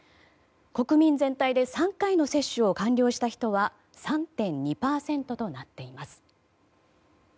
国民全体で３回の接種を完了した人は３．２％となっています。